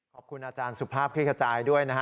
ขอบคุณอาจารย์สุภาพคลิกขจายด้วยนะฮะ